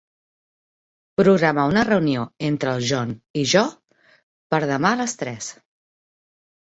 Programa una reunió entre el John i jo per demà a les tres.